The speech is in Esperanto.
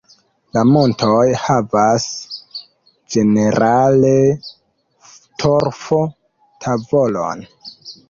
La montoj havas ĝenerale torfo-tavolon.